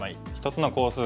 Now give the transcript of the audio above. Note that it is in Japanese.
１つのコース